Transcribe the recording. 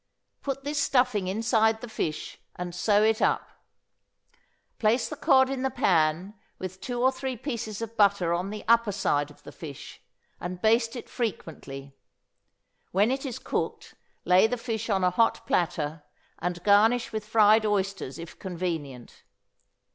Put this stuffing inside the fish, and sew it up; place the cod in the pan with two or three pieces of butter on the upper side of the fish, and baste it frequently; when it is cooked, lay the fish on a hot platter, and garnish with fried oysters if convenient.